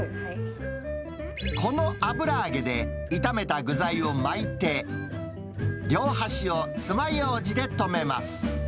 この油揚げで、炒めた具材を巻いて、両端をつまようじで留めます。